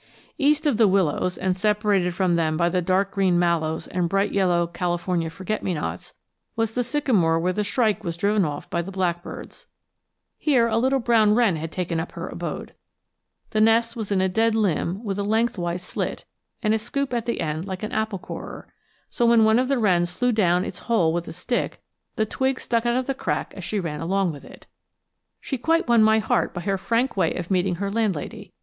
East of the willows, and separated from them by the dark green mallows and bright yellow California forget me nots, was the sycamore where the shrike was driven off by the blackbirds. Here a little brown wren had taken up her abode. The nest was in a dead limb with a lengthwise slit, and a scoop at the end like an apple corer, so when one of the wrens flew down its hole with a stick, the twig stuck out of the crack as she ran along with it. She quite won my heart by her frank way of meeting her landlady.